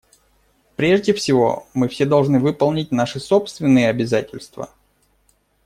Прежде всего, мы все должны выполнить наши собственные обязательства.